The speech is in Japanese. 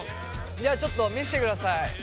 じゃあちょっと見せてください。